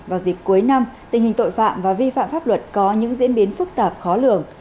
vào dịp cuối năm tình hình tội phạm và vi phạm pháp luật có những diễn biến phức tạp khó lường